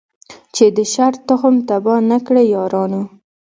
چي د شر تخم تباه نه کړی یارانو